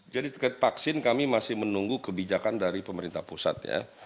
jadi terkait vaksin kami masih menunggu kebijakan dari pemerintah pusat ya